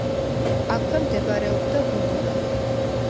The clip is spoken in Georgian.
აქვე მდებარეობდა გუბურა.